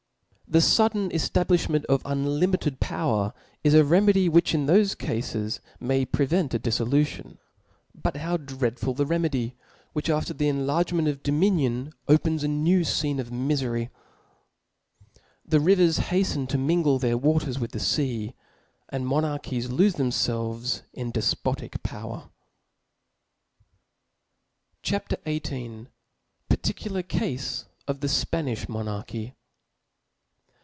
The fudden eftablifhment of unlimited power is a remedy, which in thofe cafes may prevent a dif fblution : but how dreadful the remedy, which af ter the inlargement of dominion, opens a new fcenc of xnifery ! The rivers haften to mingle their waters with the fea ; and monarchies lofc themfelves in dcf potic power. CHAP. XVIII. Particular cafe of the Spanijh Monarchy.